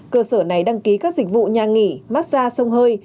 cơ sở này đăng ký các dịch vụ nhà nghỉ mát xa sông hơi